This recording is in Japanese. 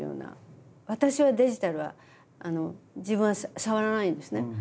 私はデジタルは自分は触らないんですね。